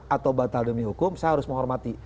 atau batal demi hukum saya harus menghormati